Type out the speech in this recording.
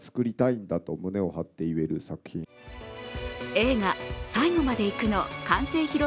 映画「最後まで行く」の完成披露